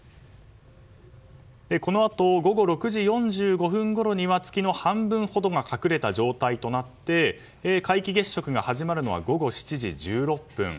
このあと午後６時４５分ごろには月の半分ほどが隠れた状態となって皆既月食が始まるのは午後７時１６分。